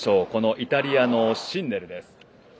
イタリアのシンネルです。